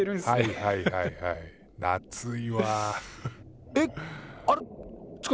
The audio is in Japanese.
はいはいはいはい。